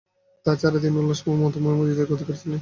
তা ছাড়া তিনি উল্লাসময় ও মধুময় হৃদয়ের অধিকারী ছিলেন।